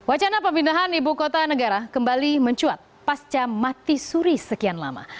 wacana pemindahan ibu kota negara kembali mencuat pasca mati suri sekian lama